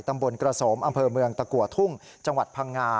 ตำบลกระสมอำเภอเมืองตะกัวทุ่งจังหวัดพังงา